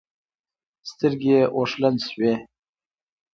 سترګې يې اوښلن شوې.